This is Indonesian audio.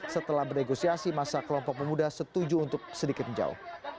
setelah bernegosiasi masyarakat setuju untuk sedikit jauh